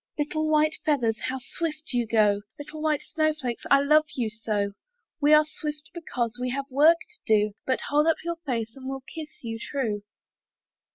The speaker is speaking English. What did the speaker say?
Little white feathers, How swift you go! Little white snowflakes, I love you so! "We are swift because We have work to do; But hold up your face, And we'll kiss you true."